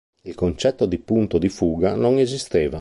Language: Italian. Il concetto di punto di fuga non esisteva.